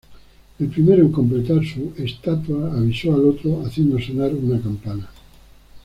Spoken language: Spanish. El primero en completar su estatua avisó al otro haciendo sonar una campana.